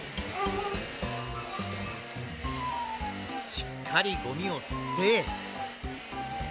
しっかりゴミをすって。